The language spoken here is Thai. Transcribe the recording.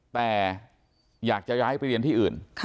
แต่อยากจะย้ายไปเรียนที่อื่น